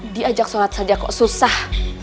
diajak sholat saja kok susah